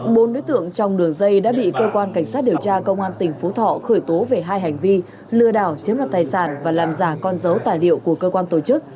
bốn đối tượng trong đường dây đã bị cơ quan cảnh sát điều tra công an tỉnh phú thọ khởi tố về hai hành vi lừa đảo chiếm đoạt tài sản và làm giả con dấu tài liệu của cơ quan tổ chức